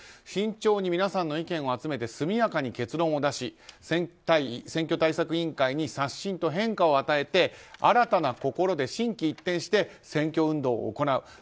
慎重に皆さんの意見を集めて速やかに結論を出し選挙対策委員会に刷新と変化を与えて新たな心で心機一転して選挙運動を行う。